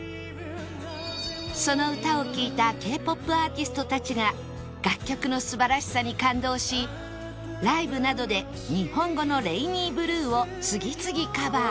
その歌を聴いた Ｋ−ＰＯＰ アーティストたちが楽曲の素晴らしさに感動しライブなどで日本語の『レイニーブルー』を次々カバー